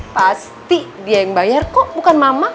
pasti dia yang bayar kok bukan mama